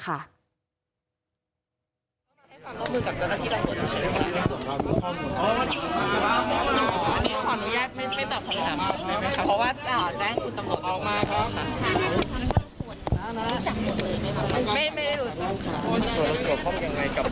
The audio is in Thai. ความร่วมมือกับเจ้าหน้าทีในปวดชนิดหน้าค่ะอันนี้ขออนุญาตไม่ตอบคำถาม